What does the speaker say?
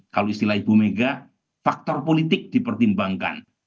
kalau istilah ibu mega faktor politik dipertimbangkan